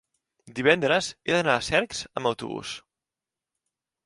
divendres he d'anar a Cercs amb autobús.